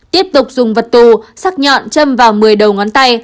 tiếp tục dùng vật tù sắc nhọn châm vào một mươi đầu ngón tay